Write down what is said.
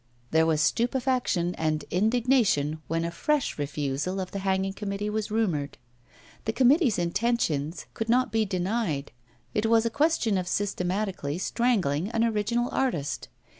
There was stupefaction and indignation when a fresh refusal of the hanging committee was rumoured. The committee's intentions could not be denied: it was a question of systematically strangling an original artist.